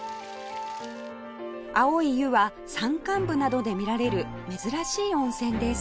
青い湯は山間部などで見られる珍しい温泉です